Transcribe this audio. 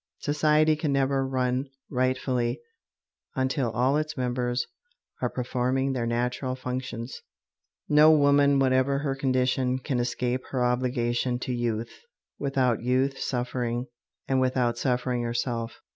Society can never run rightfully until all its members are performing their natural functions. No woman, whatever her condition, can escape her obligation to youth without youth suffering, and without suffering herself.